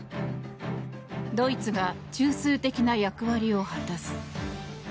ドイツが中枢的な役割を果たす。